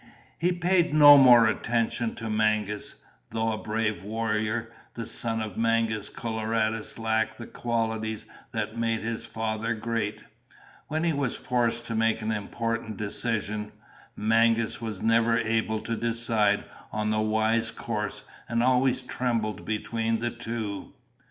He paid no more attention to Mangas. Though a brave warrior, the son of Mangus Coloradus lacked the qualities that made his father great. When he was forced to make an important decision, Mangas was never able to decide on the wise course and always trembled between the two.